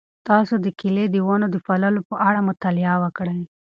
تاسو د کیلې د ونو د پاللو په اړه مطالعه وکړئ.